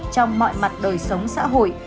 trong mọi mặt đời sống xã hội